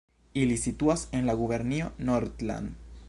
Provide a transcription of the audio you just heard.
Ili situas en la gubernio Nordland.